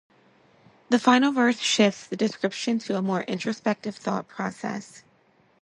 The final verse shifts the description to a more introspective thought process.